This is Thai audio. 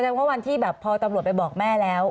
ว่าวันที่แบบพอตำรวจไปบอกแม่แล้ว